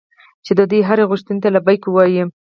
چې د دوی هرې غوښتنې ته لبیک ووایي.